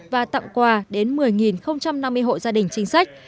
và tặng quà đến một mươi năm mươi hộ gia đình chính sách